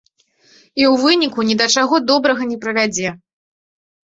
І ў выніку ні да чаго добрага не прывядзе.